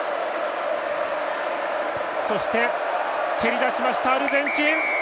そして、蹴り出しましたアルゼンチン。